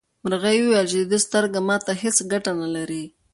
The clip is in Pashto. مرغۍ وویل چې د ده سترګه ماته هیڅ ګټه نه لري.